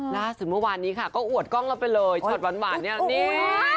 ล่าสุดเมื่อวานนี้ค่ะก็อวดกล้องเราไปเลยช็อตหวานเนี่ยนี่